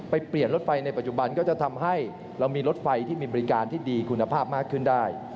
เปลี่ยนรถไฟในปัจจุบันก็จะทำให้เรามีรถไฟที่มีบริการที่ดีคุณภาพมากขึ้นได้